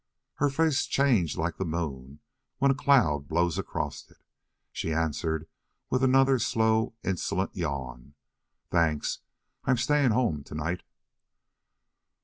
Her face changed like the moon when a cloud blows across it. She answered with another slow, insolent yawn: "Thanks! I'm staying home tonight."